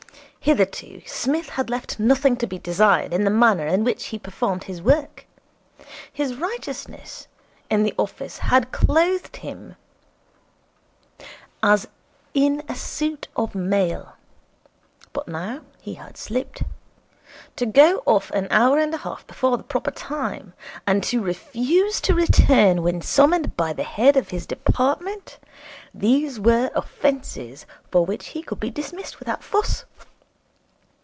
Hitherto Psmith had left nothing to be desired in the manner in which he performed his work. His righteousness in the office had clothed him as in a suit of mail. But now he had slipped. To go off an hour and a half before the proper time, and to refuse to return when summoned by the head of his department these were offences for which he could be dismissed without fuss.